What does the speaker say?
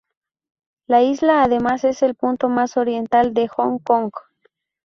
La isla además es el punto más oriental de Hong Kong.